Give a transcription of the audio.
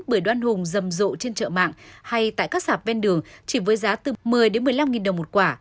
bưởi đoan hùng dầm rộ trên chợ mạng hay tại các xạp ven đường chỉ với giá từ một mươi một mươi năm đồng một quả